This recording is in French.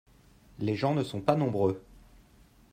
Les gens ne sont pas nombreux.